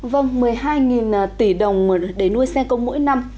vâng một mươi hai tỷ đồng để nuôi xe công mỗi năm